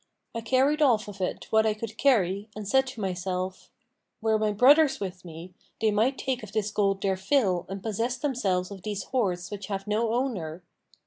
I carried off of it what I could carry and said to myself, 'Were my brothers with me, they might take of this gold their fill and possess themselves of these hoards which have no owner.'